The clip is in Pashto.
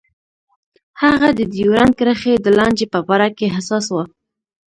هغه د ډیورنډ کرښې د لانجې په باره کې حساس و.